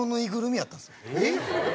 えっ？